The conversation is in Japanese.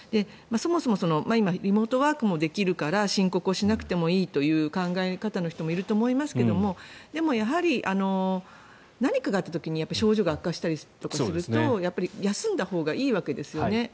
そもそも今リモートワークもできるから申告をしなくてもいいという考え方の人もいると思いますけれどもでもやはり、何かがあった時に症状が悪化したりすると休んだほうがいいわけですよね。